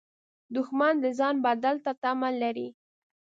دښمن د ځان بدل تمه لري